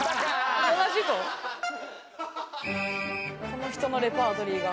この人のレパートリーが。